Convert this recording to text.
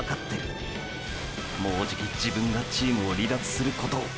もうじき自分がチームを離脱することを。